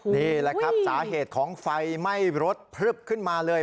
นี่แหละครับสาเหตุของไฟไหม้รถพลึบขึ้นมาเลย